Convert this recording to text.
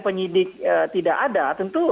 penyidik tidak ada tentu